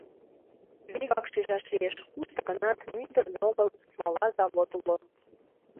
Вигак шижаш лиеш, кушто-гынат, мӱндырнӧ огыл, смола завод уло.